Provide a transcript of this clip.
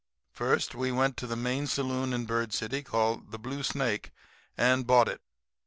"First we went to the main saloon in Bird City, called the Blue Snake, and bought it.